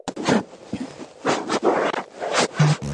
მოგვიანებით მოღვაწეობდა სამეფო კარზე.